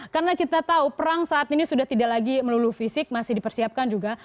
karena kita tahu perang saat ini sudah tidak lagi melulu fisik masih dipersiapkan juga